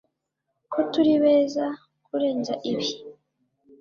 ko turi beza kurenza ibi